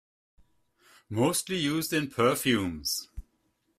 Mostly used in perfumes.